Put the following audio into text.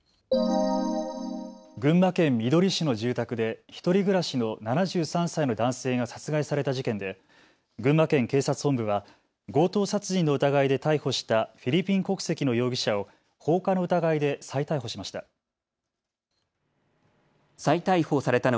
群馬県みどり市の住宅で１人暮らしの７３歳の男性が殺害された事件で群馬県警察本部は強盗殺人の疑いで逮捕したフィリピン国籍の容疑者を放火の疑いで再逮捕しました。